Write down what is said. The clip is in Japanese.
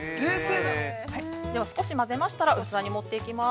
◆少し混ぜましたら、器に盛っていきます。